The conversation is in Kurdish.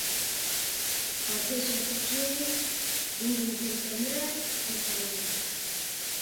Artêşa Tirkiyeyê gundên Til Temirê topbaran kirin.